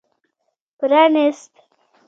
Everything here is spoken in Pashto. پرانېست.